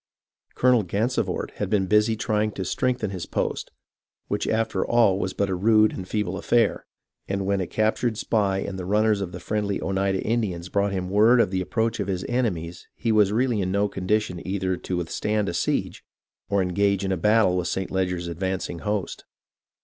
Colonel Gansevoort had been busy trying to strengthen his post, which after all was but a rude and feeble affair, and when a captured spy and the runners of the friendly Oneida Indians brought him word of the approach of his enemies he was really in no condi tion either to withstand a siege or engage in battle with St. Leger's advancing host.